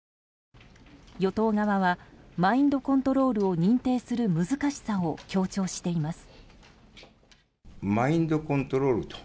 与党側はマインドコントロールを認定する難しさを強調しています。